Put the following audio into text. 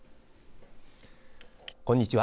こんにちは。